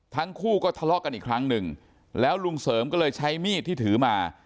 ทั้งคู่ก็ทะเลาะกันอีกครั้งหนึ่งแล้วลุงเสริมก็เลยใช้มีดที่ถือมา